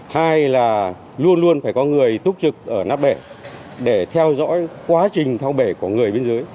hai là luôn luôn phải có người túc trực ở nắp bể để theo dõi quá trình thao bể của người biên giới